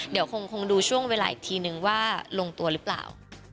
เดี๋ยวคงดูช่วงเวลาอีกทีนึงว่าลงตัวหรือเปล่า